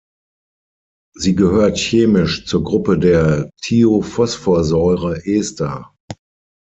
Sie gehört chemisch zur Gruppe der Thiophosphorsäureester.